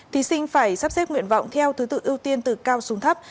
thí sinh phải sắp xếp nguyện vọng theo thứ tự ưu tiên từ cao xuống thấp